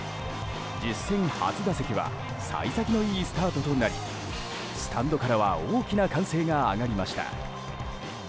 実戦、初打席は幸先のいいスタートとなりスタンドからは大きな歓声が上がりました。